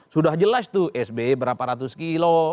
sudah jelas tuh sbe berapa ratus kilo